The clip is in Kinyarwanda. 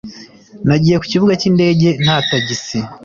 nagiye ku kibuga cy'indege na tagisi